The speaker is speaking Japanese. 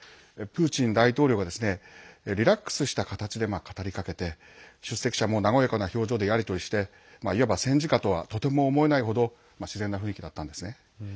プーチン大統領がリラックスした形で語りかけて出席者も和やかな表情でやり取りしていわば戦時下とはとても思えないほど自然な雰囲気だったんですね。